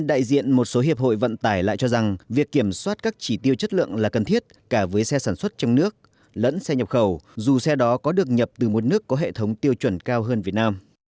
đại diện một số hiệp hội vận tải lại cho rằng việc kiểm soát các chỉ tiêu chất lượng là cần thiết cả với xe sản xuất trong nước lẫn xe nhập khẩu dù xe đó có được nhập từ một nước có hệ thống tiêu chuẩn cao hơn việt nam